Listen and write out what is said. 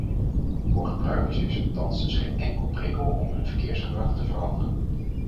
Voor gebruikers is er thans dus geen enkele prikkel om hun verkeersgedrag te veranderen.